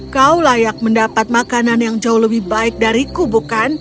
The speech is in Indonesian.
kau layak mendapat makanan yang jauh lebih baik dariku bukan